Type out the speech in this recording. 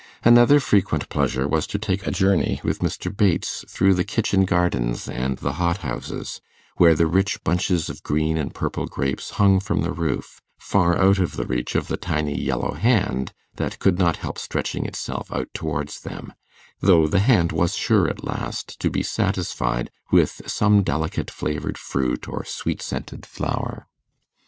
Another frequent pleasure was to take a journey with Mr. Bates through the kitchen gardens and the hothouses, where the rich bunches of green and purple grapes hung from the roof, far out of reach of the tiny yellow hand that could not help stretching itself out towards them; though the hand was sure at last to be satisfied with some delicate flavoured fruit or sweet scented flower.